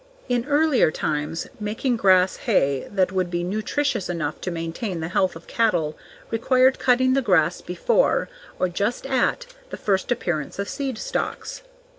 In earlier times, making grass hay that would be nutritious enough to maintain the health of cattle required cutting the grass before, or just at, the first appearance of seed stalks.